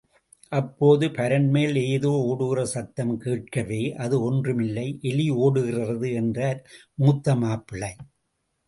அப்போது பரண்மேல் ஏதோ ஒடுகிற சத்தம் கேட்கவே அது ஒன்றுமில்லை எலி ஒடுகிறது என்றார் மூத்த மாப்பிள்ளை.